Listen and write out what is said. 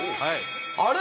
あれ？